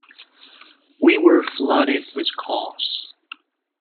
We were flooded with calls.